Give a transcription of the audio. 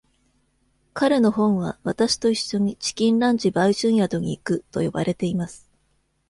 彼の本は「私と一緒にチキンランチ売春宿に行く」と呼ばれています。